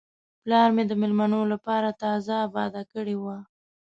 پلار مې د میلمنو لپاره تازه آباده کړې وه.